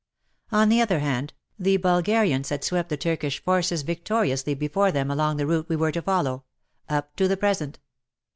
On the other hand, the Bulgarians had 72 WAR AND WOMEN swept the Turkish forces victoriously before them along the route we were to follow — up to the present.